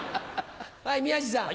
はい宮治さん。